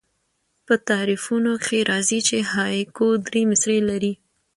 په تعریفونو کښي راځي، چي هایکو درې مصرۍ لري.